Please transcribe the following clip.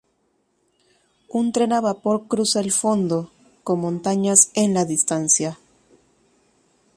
Un tren a vapor cruza el fondo, con montañas en la distancia.